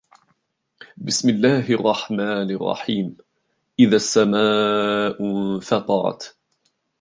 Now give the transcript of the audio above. بسم الله الرحمن الرحيم إذا السماء انفطرت